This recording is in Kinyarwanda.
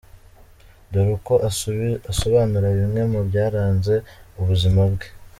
Dore uko asobanura bimwe mu byaranze ubuzima bwe;.